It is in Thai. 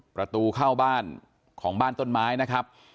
ประตูเข้าบ้านของบ้านต้นไม้นะครับ